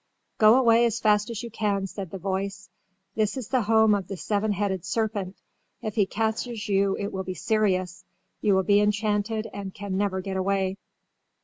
"Go away as fast as you can," said the voice. "This is the home of the seven headed serpent. If he catches you it will be serious. You'll be enchanted and can never get away."